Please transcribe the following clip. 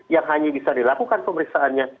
yang hanya bisa dilakukan pemeriksaannya